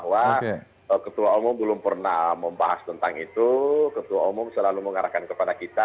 ketua umum kita juga paham bahwa ketua umum belum pernah membahas tentang itu ketua umum selalu mengarahkan kepada kita